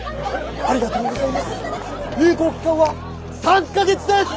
ありがとうございます。